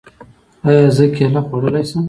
ایا زه کیله خوړلی شم؟